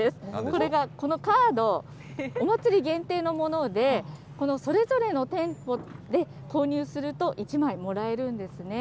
それがこのカード、お祭り限定のもので、それぞれの店舗で購入すると、１枚もらえるんですね。